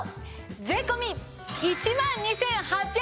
税込１万２８００円です！